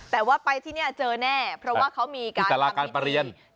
แต่ว่าไปที่นี้เจอแน่เพราะว่าเขามีการป่าเรียน